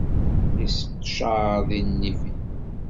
Yesseqecaṛ di nnif-iw.